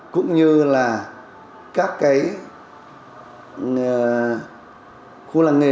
cũng như là các cái khu làng nghề